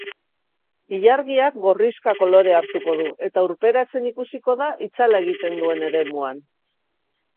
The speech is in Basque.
Ilargiak gorrixka kolorea hartuko du eta urperatzen ikusiko da itzala egiten duen eremuan.